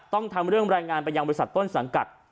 ต้องทำเรื่องรายงานไปยังบริษัทต้นสังกัด